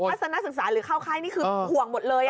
ทศนศึกษาหรือเข้าค่ายนี่คือห่วงหมดเลย